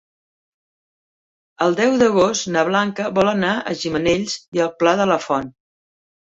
El deu d'agost na Blanca vol anar a Gimenells i el Pla de la Font.